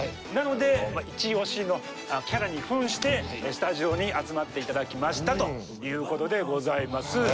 なので一押しのキャラに扮してスタジオに集まっていただきましたということでございます。